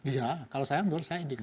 iya kalau saya menurut saya ini